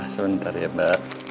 sebentar ya mbak